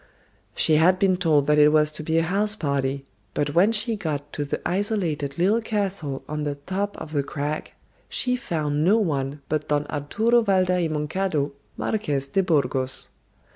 She had been told that it was to be a house party, but when she got to the isolated little castle on the top of the crag she found no one but Don Arturo Valda y Moncado, Marques de Burgos.